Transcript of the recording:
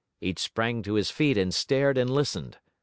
Each sprang to his feet and stared and listened.